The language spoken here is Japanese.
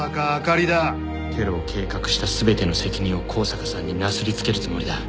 テロを計画した全ての責任を香坂さんになすり付けるつもりだ。